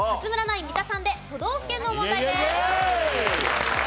ナイン三田さんで都道府県の問題です。